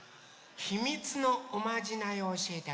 ひみつのおまじないをおしえてあげる。